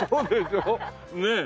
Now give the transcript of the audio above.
ねえ。